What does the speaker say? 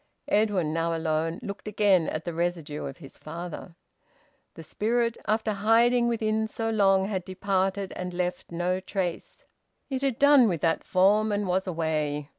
Edwin, now alone, looked again at the residue of his father. The spirit, after hiding within so long, had departed and left no trace. It had done with that form and was away.